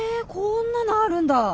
こんなのあるんだ。